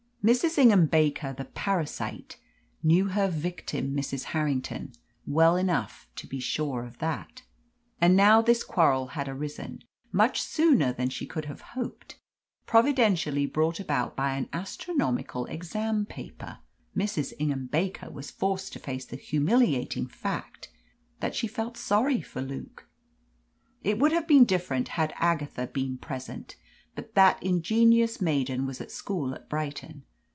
Mrs. Ingham Baker, the parasite, knew her victim, Mrs. Harrington, well enough to be sure of that. And now that this quarrel had arisen much sooner than she could have hoped providentially brought about by an astronomical examination paper, Mrs. Ingham Baker was forced to face the humiliating fact that she felt sorry for Luke. It would have been different had Agatha been present, but that ingenious maiden was at school at Brighton.